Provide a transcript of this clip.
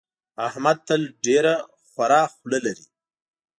احمد تل ډېره خوره خوله لري.